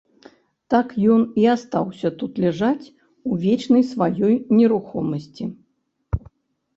Так ён і астаўся тут ляжаць у вечнай сваёй нерухомасці.